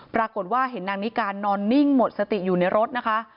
ปรากฏว่าเห็นนางนิการนอนนิ่งหมดสติอยู่ในรถนะคะ